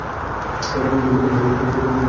জগতে সর্বত্রই কপিলের প্রভাব দেখিতে পাওয়া যায়।